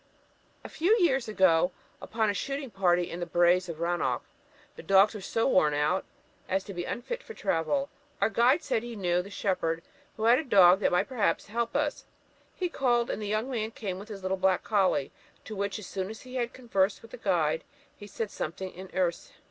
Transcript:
"A few years ago, when upon a shooting party in the Braes of Ranoch, the dogs were so worn out as to be unfit for travel. Our guide said he knew the shepherd, who had a dog that perhaps might help us. He called, and the young man came with his little black colley, to which, as soon as he had conversed with the guide, he said something in Erse.